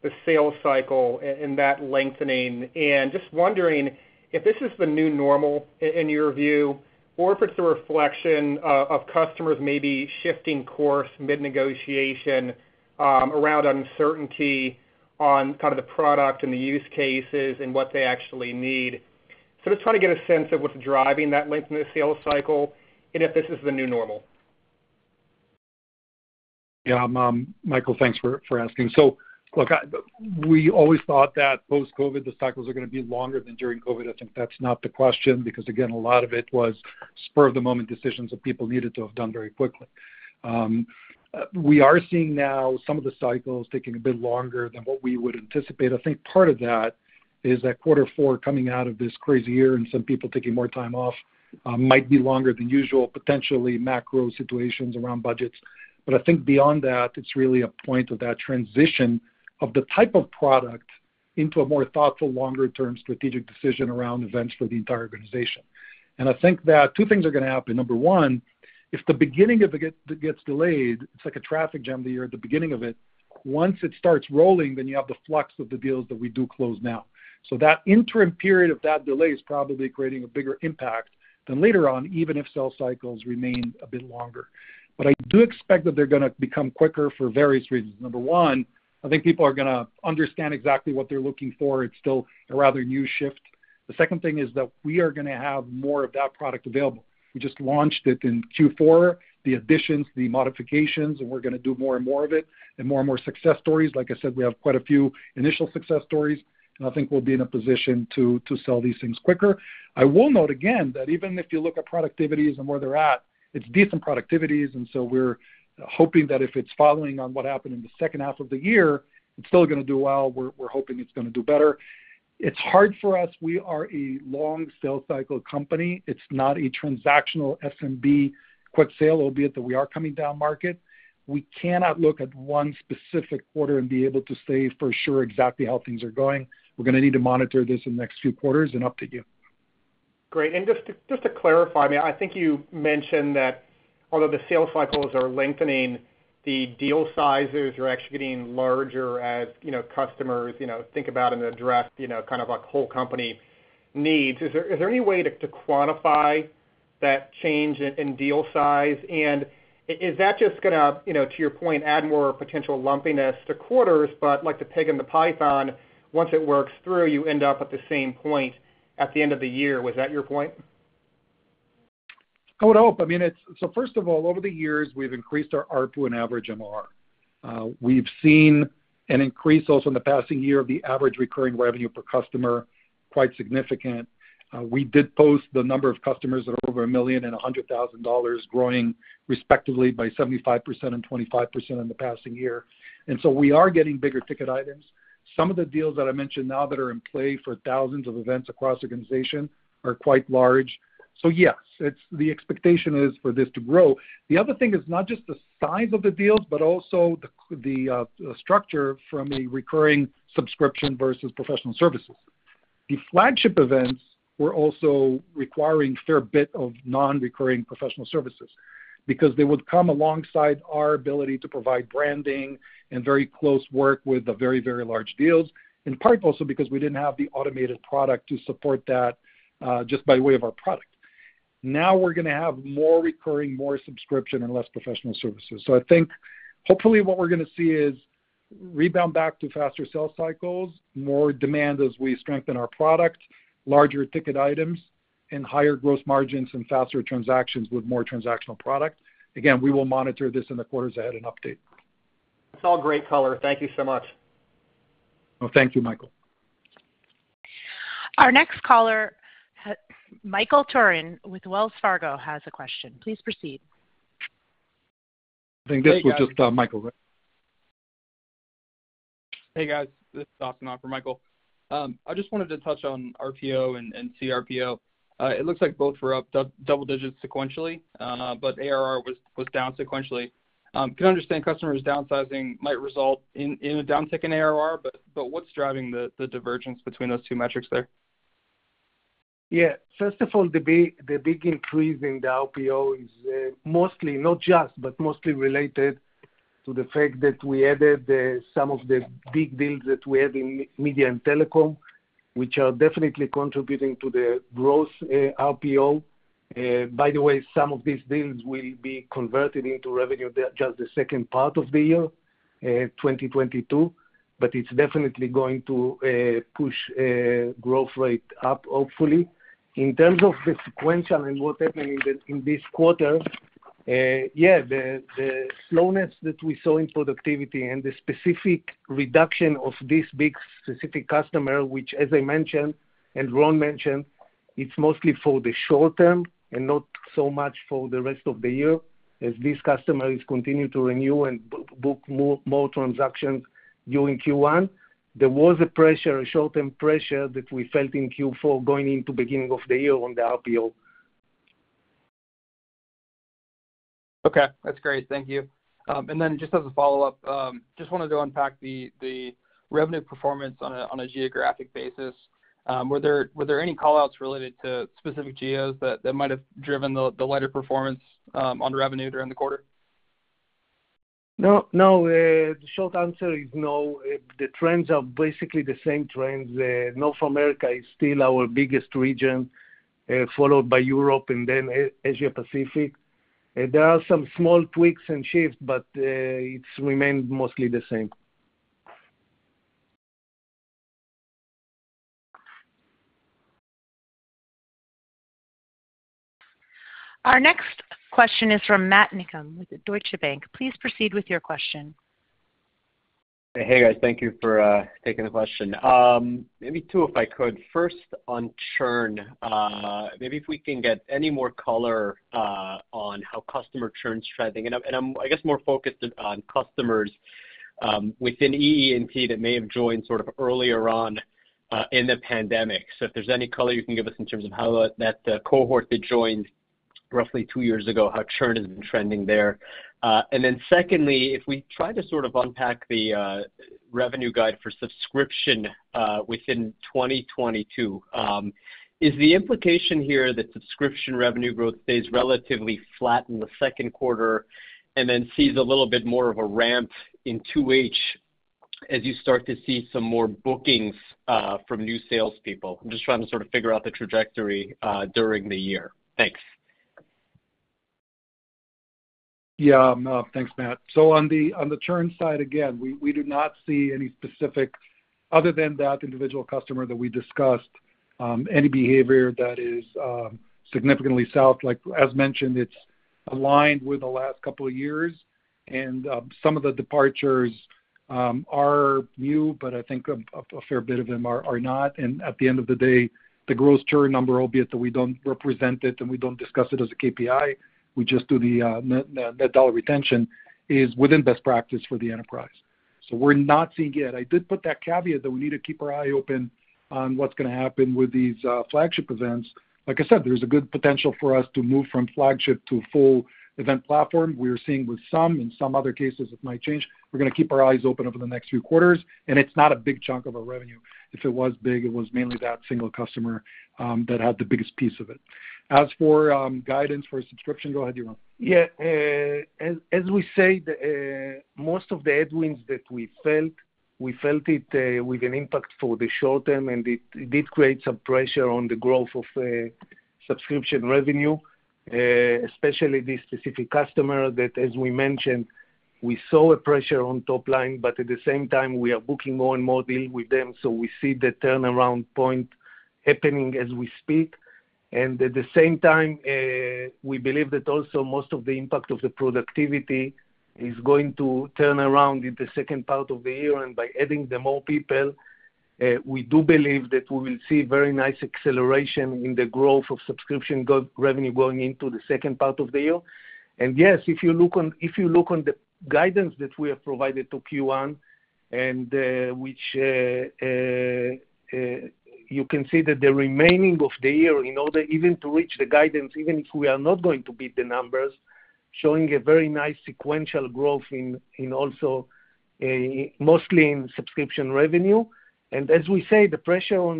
the sales cycle and that lengthening, and just wondering if this is the new normal in your view or if it's a reflection of customers maybe shifting course mid-negotiation, around uncertainty on kind of the product and the use cases and what they actually need. Just trying to get a sense of what's driving that length in the sales cycle and if this is the new normal. Yeah. Michael, thanks for asking. Look, we always thought that post-COVID, the cycles are gonna be longer than during COVID. I think that's not the question because, again, a lot of it was spur of the moment decisions that people needed to have done very quickly. We are seeing now some of the cycles taking a bit longer than what we would anticipate. I think part of that is that quarter four coming out of this crazy year and some people taking more time off might be longer than usual, potentially macro situations around budgets. I think beyond that, it's really a point of that transition of the type of product into a more thoughtful, longer-term strategic decision around events for the entire organization. I think that two things are gonna happen. Number one, if the beginning of it gets delayed, it's like a traffic jam that you're at the beginning of it. Once it starts rolling, then you have the flux of the deals that we do close now. That interim period of that delay is probably creating a bigger impact than later on, even if sales cycles remain a bit longer. I do expect that they're gonna become quicker for various reasons. Number one, I think people are gonna understand exactly what they're looking for. It's still a rather new shift. The second thing is that we are gonna have more of that product available. We just launched it in Q4, the additions, the modifications, and we're gonna do more and more of it and more and more success stories. Like I said, we have quite a few initial success stories, and I think we'll be in a position to sell these things quicker. I will note again that even if you look at productivities and where they're at, it's decent productivities, and so we're hoping that if it's following on what happened in the second half of the year, it's still gonna do well. We're hoping it's gonna do better. It's hard for us. We are a long sales cycle company. It's not a transactional SMB quick sale, albeit that we are coming down market. We cannot look at one specific quarter and be able to say for sure exactly how things are going. We're gonna need to monitor this in the next few quarters and update you. Great. Just to clarify, I mean, I think you mentioned that although the sales cycles are lengthening, the deal sizes are actually getting larger as, you know, customers, you know, think about and address, you know, kind of like whole company needs. Is there any way to quantify that change in deal size? Is that just gonna, you know, to your point, add more potential lumpiness to quarters, but like the pig and the python, once it works through, you end up at the same point at the end of the year. Was that your point? I would hope. I mean, it's. First of all, over the years, we've increased our ARPU and average MR. We've seen an increase also in the past year of the average recurring revenue per customer, quite significant. We did post the number of customers that are over $1 million and $100,000 growing respectively by 75% and 25% in the past year. We are getting bigger ticket items. Some of the deals that I mentioned now that are in play for thousands of events across the organization are quite large. Yes, it's. The expectation is for this to grow. The other thing is not just the size of the deals, but also the structure from a recurring subscription versus professional services. The flagship events were also requiring a fair bit of non-recurring professional services because they would come alongside our ability to provide branding and very close work with the very, very large deals, and partly also because we didn't have the automated product to support that, just by way of our product. Now we're gonna have more recurring, more subscription, and less professional services. I think hopefully what we're gonna see is rebound back to faster sales cycles, more demand as we strengthen our product, larger ticket items, and higher gross margins and faster transactions with more transactional product. Again, we will monitor this in the quarters ahead and update. It's all great color. Thank you so much. Well, thank you, Michael. Our next caller, Michael Turrin with Wells Fargo, has a question. Please proceed. I think this was just, Michael, right? Hey, guys. This is talking the call for Michael. I just wanted to touch on RPO and TRPO. It looks like both were up double digits sequentially, but ARR was down sequentially. Can you understand customers downsizing might result in a downtick in ARR, but what's driving the divergence between those two metrics there? First of all, the big increase in the RPO is mostly, not just, but mostly related to the fact that we added some of the big deals that we have in Media and Telecom, which are definitely contributing to the growth in RPO. By the way, some of these deals will be converted into revenue in just the second part of the year, 2022, but it's definitely going to push growth rate up, hopefully. In terms of the sequential and what happened in this quarter, the slowness that we saw in productivity and the specific reduction of this big customer, which as I mentioned and Ron mentioned, it's mostly for the short term and not so much for the rest of the year, as this customer is continuing to renew and re-book more transactions during Q1. There was a short-term pressure that we felt in Q4 going into the beginning of the year on the RPO. Okay. That's great. Thank you. Then just as a follow-up, I just wanted to unpack the revenue performance on a geographic basis. Were there any call-outs related to specific geos that might have driven the lighter performance on revenue during the quarter? No, no. The short answer is no. The trends are basically the same trends. North America is still our biggest region, followed by Europe and then Asia Pacific. There are some small tweaks and shifts, but it's remained mostly the same. Our next question is from Matthew Niknam with Deutsche Bank. Please proceed with your question. Hey, guys. Thank you for taking the question. Maybe two, if I could. First on churn, maybe if we can get any more color on how customer churn is trending. I'm, I guess, more focused on customers within EE&T that may have joined sort of earlier on in the pandemic. If there's any color you can give us in terms of how that cohort that joined roughly two years ago, how churn has been trending there. Secondly, if we try to sort of unpack the revenue guide for subscription within 2022, is the implication here that subscription revenue growth stays relatively flat in the second quarter and then sees a little bit more of a ramp in 2H as you start to see some more bookings from new sales people? I'm just trying to sort of figure out the trajectory during the year. Thanks. Yeah. No. Thanks, Matt. On the churn side, again, we do not see any specific, other than that individual customer that we discussed, any behavior that is significantly south. Like as mentioned, it's aligned with the last couple of years. Some of the departures are new, but I think a fair bit of them are not. At the end of the day, the growth churn number, albeit that we don't represent it and we don't discuss it as a KPI, we just do the net dollar retention, is within best practice for the enterprise. We're not seeing it. I did put that caveat that we need to keep our eye open on what's gonna happen with these flagship events. Like I said, there's a good potential for us to move from flagship to full event platform. We're seeing with some, in some other cases it might change. We're gonna keep our eyes open over the next few quarters, and it's not a big chunk of our revenue. If it was big, it was mainly that single customer that had the biggest piece of it. As for guidance for subscription, go ahead, Yaron. Yeah. As we said, most of the headwinds that we felt with an impact for the short term, and it did create some pressure on the growth of subscription revenue, especially this specific customer that, as we mentioned, we saw a pressure on top line, but at the same time, we are booking more and more deals with them, so we see the turnaround point happening as we speak. At the same time, we believe that also most of the impact of the productivity is going to turn around in the second part of the year. By adding more people, we do believe that we will see very nice acceleration in the growth of subscription revenue going into the second part of the year. Yes, if you look on the guidance that we have provided to Q1 and you can see that the remainder of the year in order even to reach the guidance, even if we are not going to beat the numbers, showing a very nice sequential growth mostly in subscription revenue. As we say, the pressure on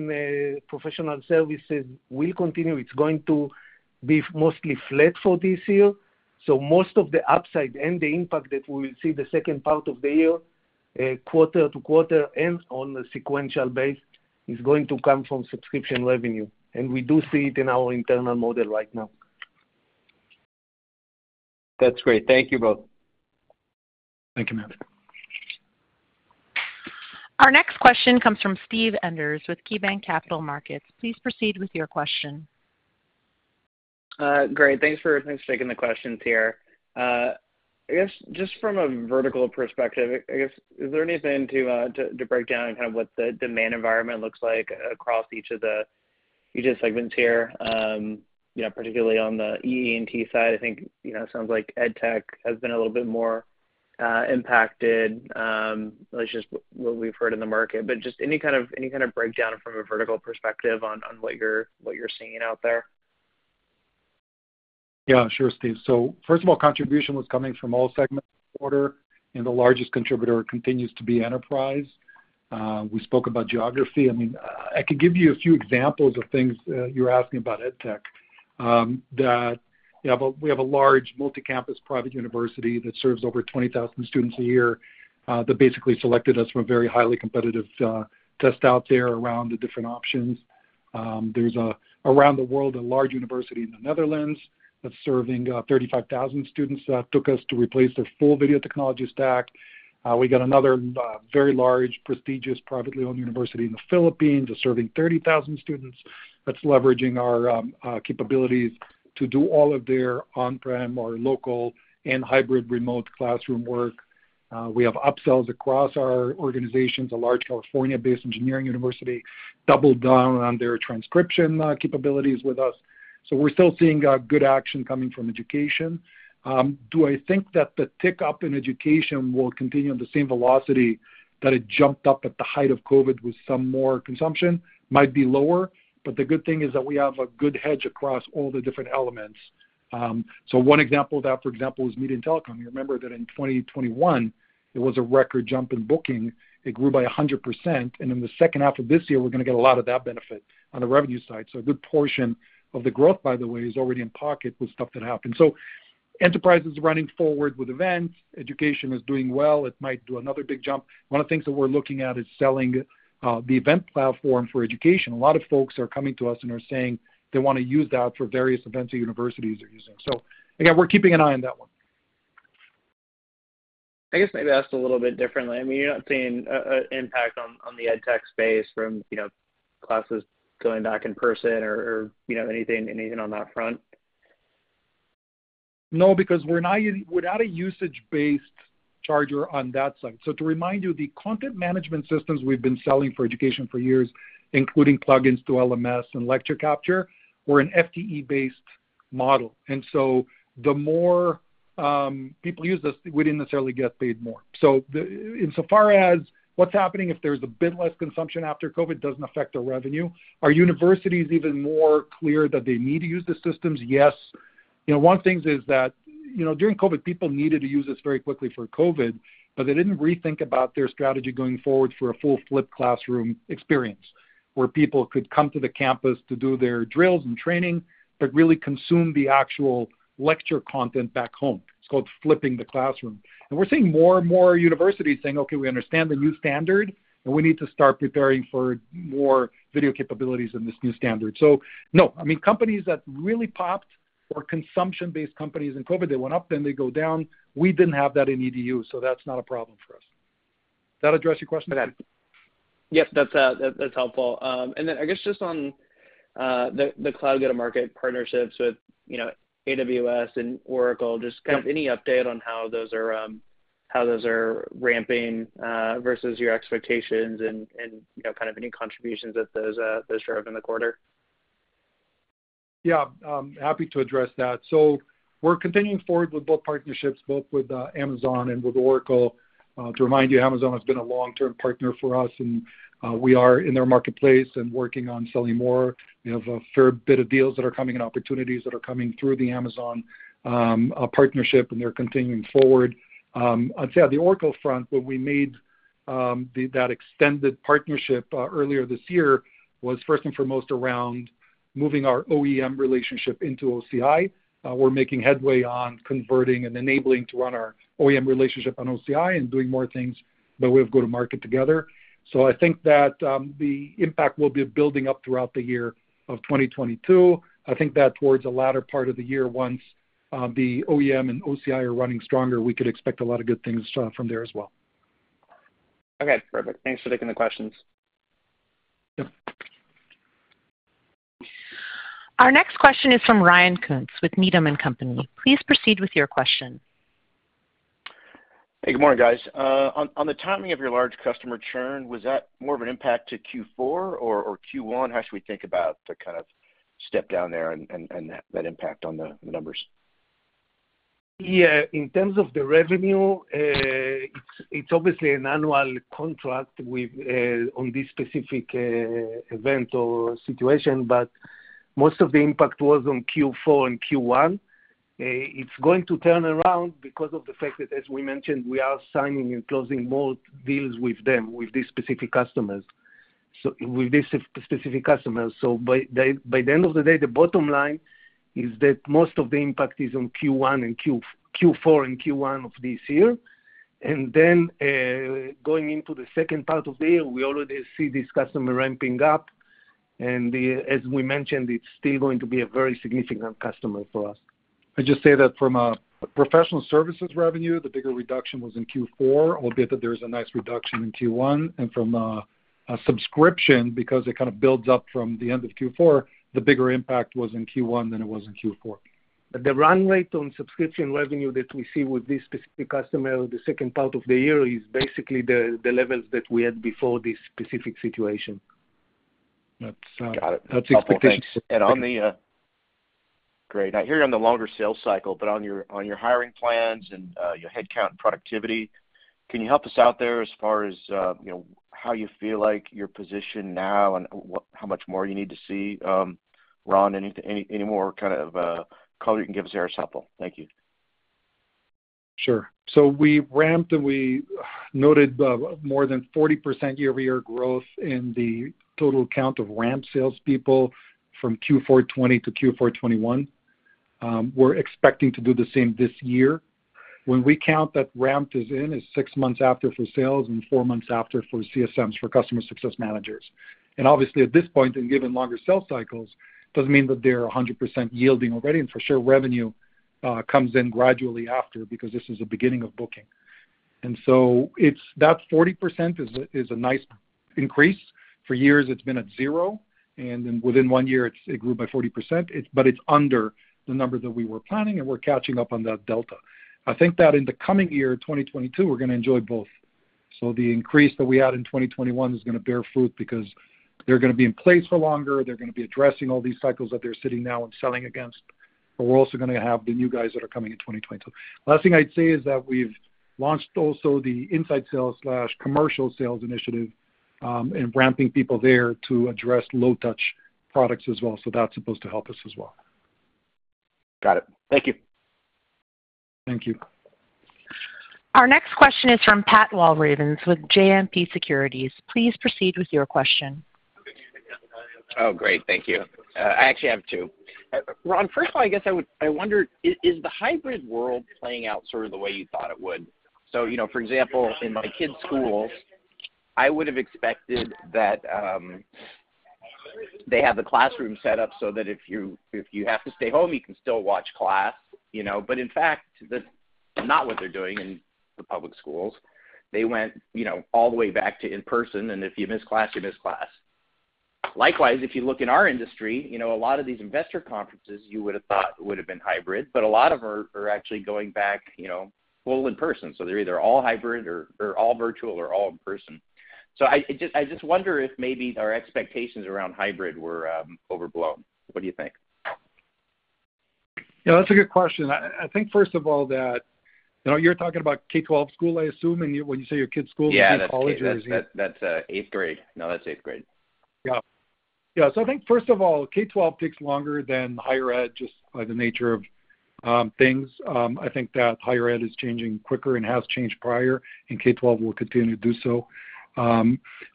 professional services will continue. It's going to be mostly flat for this year. Most of the upside and the impact that we will see the second part of the year quarter-to-quarter and on a sequential basis is going to come from subscription revenue, and we do see it in our internal model right now. That's great. Thank you both. Thank you, Matt. Our next question comes from Steven Enders with KeyBanc Capital Markets. Please proceed with your question. Great. Thanks for taking the questions here. I guess just from a vertical perspective, I guess, is there anything to break down in kind of what the demand environment looks like across each of the regions segments here? You know, particularly on the EE&T side, I think, you know, it sounds like ed tech has been a little bit more impacted, at least just what we've heard in the market. But just any kind of breakdown from a vertical perspective on what you're seeing out there? Yeah, sure, Steve. First of all, contribution was coming from all segments quarter, and the largest contributor continues to be enterprise. We spoke about geography. I mean, I could give you a few examples of things you're asking about ed tech, that you know but we have a large multi-campus private university that serves over 20,000 students a year that basically selected us from a very highly competitive test out there around the different options. There's around the world a large university in the Netherlands that's serving 35,000 students took us to replace their full video technology stack. We got another very large, prestigious, privately owned university in the Philippines that's serving 30,000 students that's leveraging our capabilities to do all of their on-prem or local and hybrid remote classroom work. We have upsells across our organizations. A large California-based engineering university doubled down on their transcription capabilities with us. We're still seeing good action coming from education. Do I think that the tick up in education will continue at the same velocity that it jumped up at the height of COVID with some more consumption? Might be lower, but the good thing is that we have a good hedge across all the different elements. One example of that, for example, is media and telecom. You remember that in 2021, there was a record jump in booking. It grew by 100%. In the second half of this year, we're gonna get a lot of that benefit on the revenue side. A good portion of the growth, by the way, is already in pocket with stuff that happened. Enterprise is running forward with events. Education is doing well. It might do another big jump. One of the things that we're looking at is selling the event platform for education. A lot of folks are coming to us and are saying they wanna use that for various events that universities are using. Again, we're keeping an eye on that one. I guess maybe asked a little bit differently. I mean, you're not seeing a impact on the ed tech space from, you know, classes going back in person or, you know, anything on that front? No, because we're not a usage-based charging on that side. To remind you, the content management systems we've been selling for education for years, including plugins to LMS and lecture capture, we're an FTE-based model. The more people use this, we didn't necessarily get paid more. Insofar as what's happening, if there's a bit less consumption after COVID, it doesn't affect our revenue. Are universities even clearer that they need to use the systems? Yes. You know, one thing is that, you know, during COVID, people needed to use this very quickly for COVID, but they didn't rethink about their strategy going forward for a full flipped classroom experience where people could come to the campus to do their drills and training, but really consume the actual lecture content back home. It's called flipping the classroom. We're seeing more and more universities saying, Okay, we understand the new standard, and we need to start preparing for more video capabilities in this new standard. No, I mean, companies that really popped or consumption-based companies in COVID, they went up, then they go down. We didn't have that in EDU, so that's not a problem for us. That address your question? Okay. Yep, that's helpful. I guess just on the cloud go-to-market partnerships with, you know, AWS and Oracle, just kind of any update on how those are ramping versus your expectations and you know, kind of any contributions that those drove in the quarter? Yeah, happy to address that. We're continuing forward with both partnerships, both with Amazon and with Oracle. To remind you, Amazon has been a long-term partner for us, and we are in their marketplace and working on selling more. We have a fair bit of deals that are coming and opportunities that are coming through the Amazon partnership, and they're continuing forward. I'd say on the Oracle front, when we made that extended partnership earlier this year, was first and foremost around moving our OEM relationship into OCI. We're making headway on converting and enabling to run our OEM relationship on OCI and doing more things that we have to go to market together. I think that the impact will be building up throughout the year of 2022. I think that towards the latter part of the year, once the OEM and OCI are running stronger, we could expect a lot of good things from there as well. Okay, perfect. Thanks for taking the questions. Yep. Our next question is from Ryan Koontz with Needham & Company. Please proceed with your question. Hey, good morning, guys. On the timing of your large customer churn, was that more of an impact to Q4 or Q1? How should we think about the kind of step down there and that impact on the numbers? Yeah. In terms of the revenue, it's obviously an annual contract with on this specific event or situation, but most of the impact was on Q4 and Q1. It's going to turn around because of the fact that, as we mentioned, we are signing and closing more deals with them, with these specific customer. So with this specific customer. By the end of the day, the bottom line is that most of the impact is on Q1 and Q4 and Q1 of this year. Going into the second part of the year, we already see this customer ramping up. As we mentioned, it's still going to be a very significant customer for us. I'd just say that from a professional services revenue, the bigger reduction was in Q4, albeit that there's a nice reduction in Q1. From a subscription, because it kind of builds up from the end of Q4, the bigger impact was in Q1 than it was in Q4. The run rate on subscription revenue that we see with this specific customer, the second part of the year is basically the levels that we had before this specific situation. That's. Got it. That's expectations. Great. I hear you're on the longer sales cycle, but on your hiring plans and your headcount and productivity, can you help us out there as far as you know, how you feel like you're positioned now and how much more you need to see, Ron, any more kind of color you can give us there is helpful. Thank you. Sure. We ramped, and we noted the more than 40% year-over-year growth in the total count of ramped salespeople from Q4 2020 to Q4 2021. We're expecting to do the same this year. When we count that ramped as in, is six months after for sales and four months after for CSMs, for customer success managers. Obviously, at this point, and given longer sales cycles, doesn't mean that they're 100% yielding already. For sure, revenue comes in gradually after because this is the beginning of booking. It's that 40% is a nice increase. For years, it's been at zero, and then within one year it grew by 40%. It's under the number that we were planning, and we're catching up on that delta. I think that in the coming year, 2022, we're gonna enjoy both. The increase that we had in 2021 is gonna bear fruit because they're gonna be in place for longer. They're gonna be addressing all these cycles that they're sitting now and selling against. We're also gonna have the new guys that are coming in 2022. Last thing I'd say is that we've launched also the inside sales/commercial sales initiative, and ramping people there to address low-touch products as well. That's supposed to help us as well. Got it. Thank you. Thank you. Our next question is from Pat Walravens with JMP Securities. Please proceed with your question. Oh, great. Thank you. I actually have two. Ron, first of all, I guess I would—I wonder, is the hybrid world playing out sort of the way you thought it would? You know, for example, in my kids' schools, I would have expected that they have the classroom set up so that if you have to stay home, you can still watch class, you know. But in fact, that's not what they're doing in the public schools. They went, you know, all the way back to in-person, and if you miss class, you miss class. Likewise, if you look in our industry, you know, a lot of these investor conferences you would have thought would have been hybrid, but a lot of them are actually going back, you know, full in person. They're either all hybrid or all virtual or all in person. I just wonder if maybe our expectations around hybrid were overblown. What do you think? Yeah, that's a good question. I think first of all, that, you know, you're talking about K-12 school, I assume, and you, when you say your kids' school, you mean colleges? Yeah. That's eighth grade. No, that's eighth grade. I think first of all, K-12 takes longer than higher ed, just by the nature of things. I think that higher ed is changing quicker and has changed prior, and K-12 will continue to do so.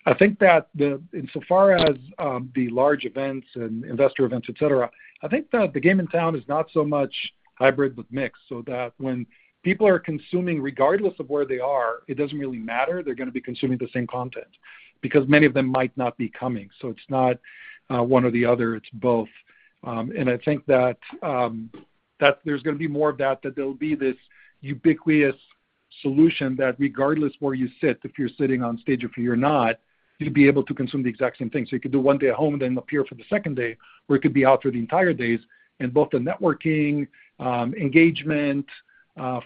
I think that insofar as the large events and investor events, et cetera, the game in town is not so much hybrid, but mixed, so that when people are consuming, regardless of where they are, it doesn't really matter. They're gonna be consuming the same content because many of them might not be coming. It's not one or the other, it's both. I think that there's gonna be more of that there'll be this ubiquitous solution that regardless where you sit, if you're sitting on stage or if you're not, you'll be able to consume the exact same thing. You could do one day at home, then appear for the second day, or it could be out for the entire days, and both the networking, engagement,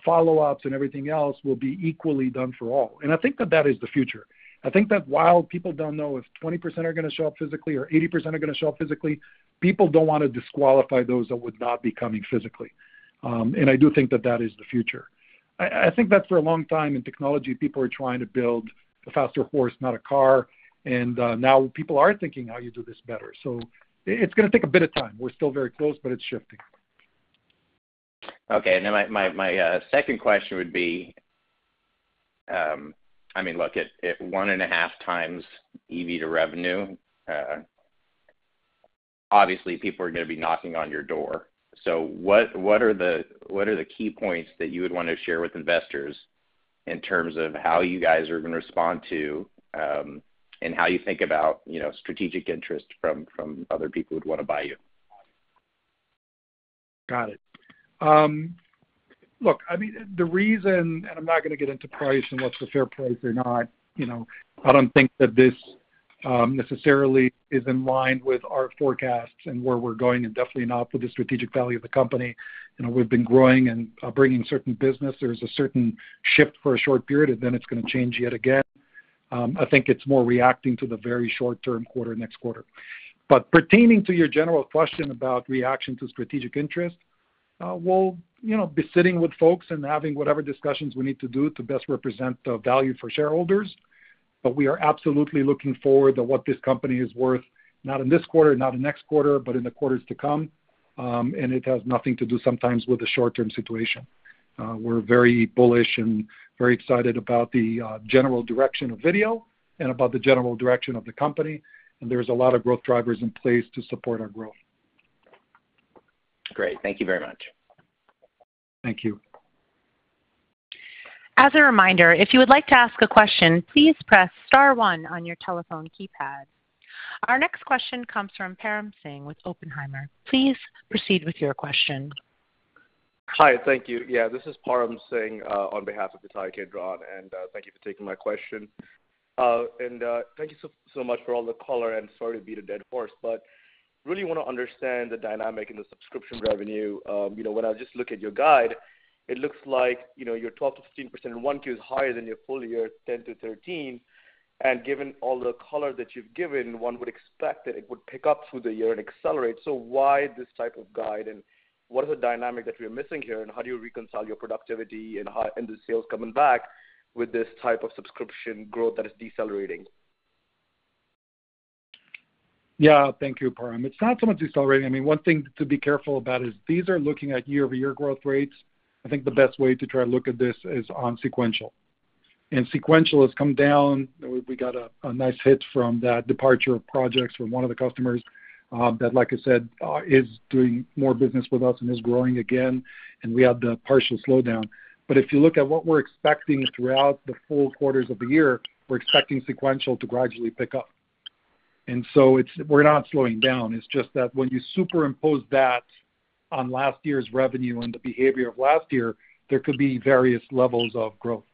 follow-ups, and everything else will be equally done for all. I think that is the future. I think that while people don't know if 20% are gonna show up physically or 80% are gonna show up physically, people don't wanna disqualify those that would not be coming physically. I do think that is the future. I think that for a long time in technology, people are trying to build a faster horse, not a car, and now people are thinking how you do this better. It's gonna take a bit of time. We're still very close, but it's shifting. Okay. Then my second question would be. I mean, look, at 1.5x EV to revenue, obviously people are gonna be knocking on your door. What are the key points that you would want to share with investors in terms of how you guys are gonna respond to, and how you think about, you know, strategic interest from other people who'd wanna buy you? Got it. Look, I mean, the reason, and I'm not gonna get into price and what's a fair price or not, you know. I don't think that this necessarily is in line with our forecasts and where we're going, and definitely not for the strategic value of the company. You know, we've been growing and bringing certain business. There's a certain shift for a short period, and then it's gonna change yet again. I think it's more reacting to the very short term quarter, next quarter. Pertaining to your general question about reaction to strategic interest, we'll, you know, be sitting with folks and having whatever discussions we need to do to best represent the value for shareholders. We are absolutely looking forward to what this company is worth, not in this quarter, not in next quarter, but in the quarters to come. It has nothing to do sometimes with the short-term situation. We're very bullish and very excited about the general direction of video and about the general direction of the company, and there's a lot of growth drivers in place to support our growth. Great. Thank you very much. Thank you. As a reminder, if you would like to ask a question, please press star one on your telephone keypad. Our next question comes from Param Singh with Oppenheimer. Please proceed with your question. Hi. Thank you. Yeah, this is Param Singh, on behalf of Ittai Kidron, and thank you for taking my question. Thank you so much for all the color, and sorry to beat a dead horse, but really wanna understand the dynamic in the subscription revenue. You know, when I just look at your guide, it looks like, you know, your 12%-15% in one tier is higher than your full year 10%-13%. Given all the color that you've given, one would expect that it would pick up through the year and accelerate. Why this type of guide, and what is the dynamic that we are missing here, and how do you reconcile your productivity and high-end sales coming back with this type of subscription growth that is decelerating? Yeah. Thank you, Param. It's not so much decelerating. I mean, one thing to be careful about is these are looking at year-over-year growth rates. I think the best way to try to look at this is on sequential. Sequential has come down. We got a nice hit from that departure of projects from one of the customers, that, like I said, is doing more business with us and is growing again, and we have the partial slowdown. If you look at what we're expecting throughout the full quarters of the year, we're expecting sequential to gradually pick up. It's. We're not slowing down. It's just that when you superimpose that on last year's revenue and the behavior of last year, there could be various levels of growth.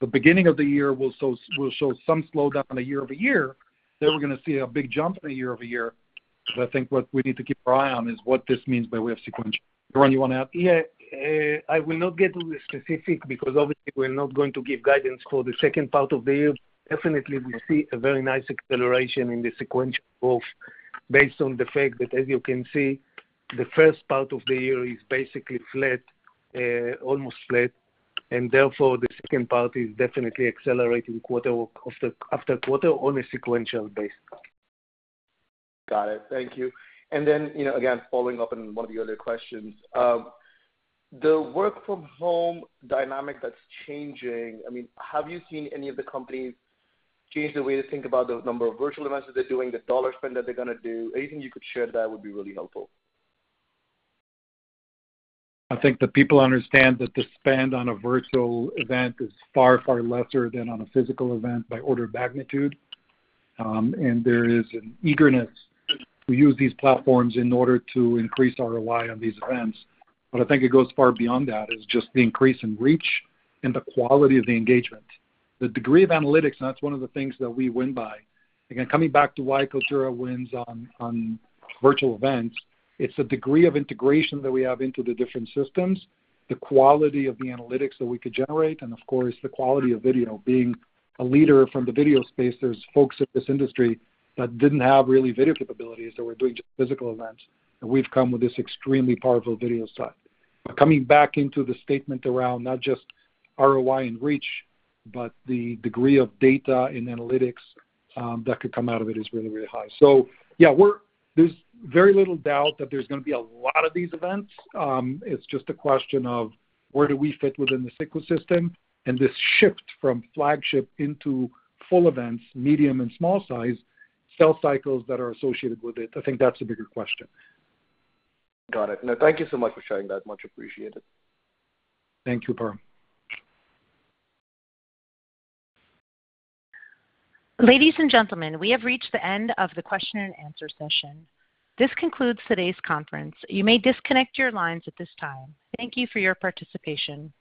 The beginning of the year will show some slowdown in the year-over-year, then we're gonna see a big jump in the year-over-year. I think what we need to keep our eye on is what this means by way of sequential. Yaron, you wanna add? Yeah. I will not get into the specific because obviously we're not going to give guidance for the second part of the year. Definitely, we see a very nice acceleration in the sequential growth based on the fact that, as you can see, the first part of the year is basically flat, almost flat, and therefore, the second part is definitely accelerating quarter-after-quarter on a sequential basis. Got it. Thank you. You know, again, following up on one of the other questions. The work from home dynamic that's changing, I mean, have you seen any of the companies change the way they think about the number of virtual events that they're doing, the dollar spend that they're gonna do? Anything you could share that would be really helpful. I think the people understand that the spend on a virtual event is far, far lesser than on a physical event by order of magnitude. There is an eagerness to use these platforms in order to increase ROI on these events. I think it goes far beyond that. It's just the increase in reach and the quality of the engagement, the degree of analytics, and that's one of the things that we win by. Again, coming back to why Kaltura wins on virtual events, it's the degree of integration that we have into the different systems, the quality of the analytics that we could generate, and of course, the quality of video. Being a leader from the video space, there's folks in this industry that didn't have really video capabilities, so we're doing just physical events. We've come with this extremely powerful video side. Coming back into the statement around not just ROI and reach, but the degree of data and analytics that could come out of it is really, really high. Yeah, there's very little doubt that there's gonna be a lot of these events. It's just a question of where do we fit within the ecosystem and this shift from flagship into full events, medium and small size, sell cycles that are associated with it. I think that's the bigger question. Got it. No, thank you so much for sharing that. Much appreciated. Thank you, Param. Ladies and gentlemen, we have reached the end of the question and answer session. This concludes today's conference. You may disconnect your lines at this time. Thank you for your participation.